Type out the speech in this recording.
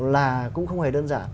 là cũng không hề đơn giản